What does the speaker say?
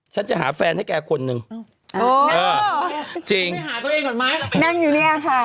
ฉันจะหาแฟนให้แกคนหนึ่งจริงไปหาตัวเองก่อนไหมนั่งอยู่เนี่ยค่ะ